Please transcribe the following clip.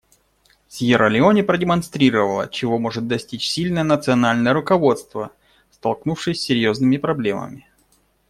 Сьерра-Леоне продемонстрировала, чего может достичь сильное национальное руководство, столкнувшись с серьезными проблемами.